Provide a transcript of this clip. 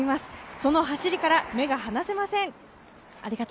その走りから目が離せません。